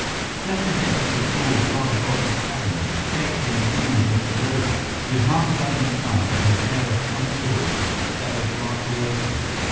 Just ahead stood a tall, rather bulky cabinet shaped in the form of a pagoda, with half a dozen sides and a pair of front doors that were partly open.